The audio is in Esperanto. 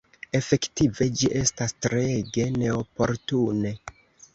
Efektive, ĝi estas treege neoportune!